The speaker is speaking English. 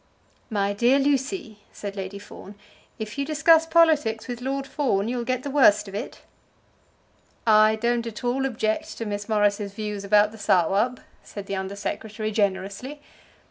"My dear Lucy," said Lady Fawn, "if you discuss politics with Lord Fawn, you'll get the worst of it." "I don't at all object to Miss Morris's views about the Sawab," said the Under Secretary generously.